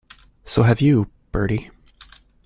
So have you, Bertie.